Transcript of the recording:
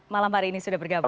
malam hari ini sudah bergabung